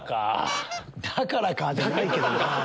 「だからか」じゃないけどな。